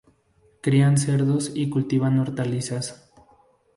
Crían cerdos y cultivan hortalizas.